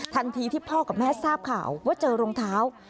ที่พ่อกับแม่ทราบข่าวว่าเจอรองเท้า